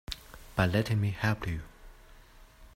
By letting me help you.